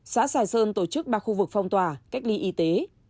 xã sài sơn tổ chức ba khu vực phong tỏa cách ly y tế